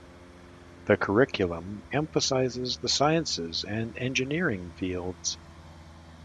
The curriculum emphasizes the sciences and engineering fields.